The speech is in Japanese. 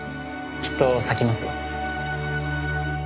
きっと咲きますよ。